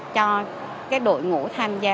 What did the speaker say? cho cái đội ngũ tham gia